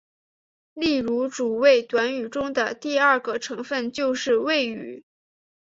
例如主谓短语中的第二个成分就是谓语。